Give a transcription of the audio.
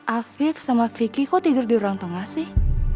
afif sama vicky kok tidur di ruang tengah sih